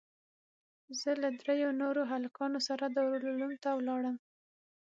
زه له درېو نورو هلکانو سره دارالعلوم ته ولاړم.